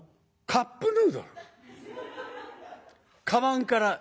カップヌードルね。